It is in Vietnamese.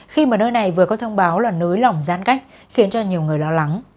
khi mà nơi này vừa có thông báo là nới lỏng giãn cách khiến cho nhiều người lo lắng